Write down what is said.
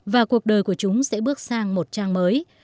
và cuộc đời của chúng sẽ bước sang một trang mới